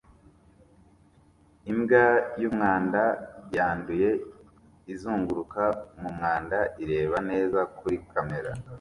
Imbwa yumwanda yanduye izunguruka mumwanda ireba neza kuri kamera